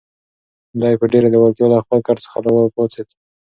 دی په ډېرې لېوالتیا له خپل کټ څخه را پاڅېد.